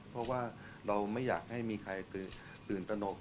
เพราะว่าเราไม่อยากให้มีใครตื่นตนก